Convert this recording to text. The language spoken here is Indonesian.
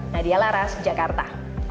nadia laras jakarta